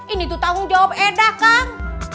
ini tuh tanggung jawab enda kang